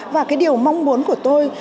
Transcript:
và cái điều mong muốn của tôi